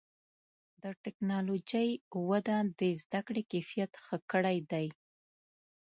د ټکنالوجۍ وده د زدهکړې کیفیت ښه کړی دی.